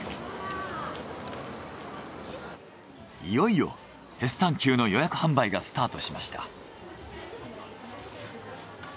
いよいよヘスタンキューの予約販売がスタートしました。